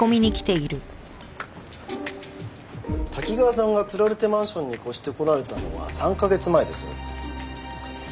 瀧川さんがクラルテマンションに越してこられたのは３カ月前です。